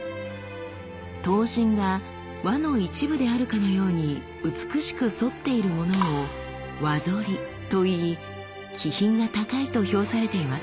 刀身が輪の一部であるかのように美しく反っているものを「輪反り」といい気品が高いと評されています。